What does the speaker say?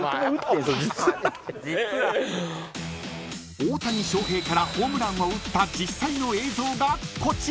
［大谷翔平からホームランを打った実際の映像がこちら］